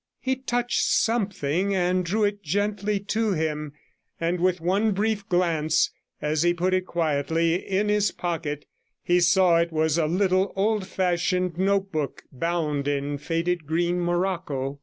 He touched something and drew it gently to him, and with one brief glance, as he put it quietly in his pocket, he saw it was a little old fashioned notebook, bound in faded green morocco.